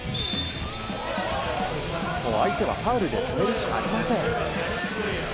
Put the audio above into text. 相手はファウルで止めるしかありません。